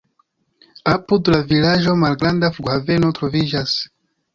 Apud la vilaĝo malgranda flughaveno troviĝas.